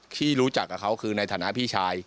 ที่รู้จักกับเขาคือในฐานะพี่ชาย